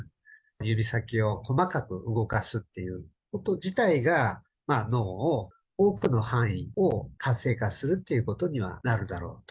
指先を細かく動かすっていうこと自体が、脳を多くの範囲を活性化するということにはなるだろうと。